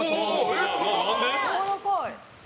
やわらかい。